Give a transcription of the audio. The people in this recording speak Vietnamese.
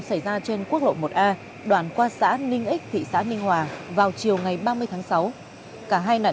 xảy ra trên quốc lộ một a đoạn qua xã ninh ích thị xã ninh hòa vào chiều ngày ba mươi tháng sáu cả hai nạn